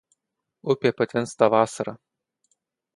Upė patvinsta vasarą.